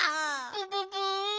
プププ。